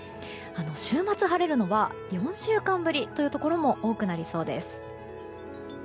週末晴れるのは４週間ぶりというところも多くなりそうです。